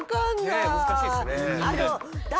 ねえ難しいですね。